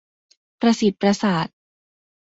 ประสิทธิ์ประสาท